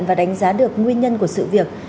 và đánh giá được nguyên nhân của sự việc